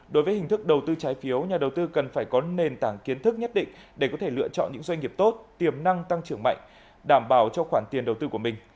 đối với hình thức đầu tư trái phiếu nhà đầu tư cần phải có nền tảng kiến thức nhất định để có thể lựa chọn những doanh nghiệp tốt tiềm năng tăng trưởng mạnh đảm bảo cho khoản tiền đầu tư của mình